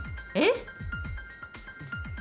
え？